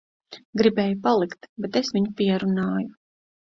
Gribēja palikt, bet es viņu pierunāju.